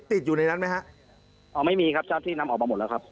ติดอยู่ในนั้นไหมฮะอ๋อไม่มีครับเจ้าที่นำออกมาหมดแล้วครับ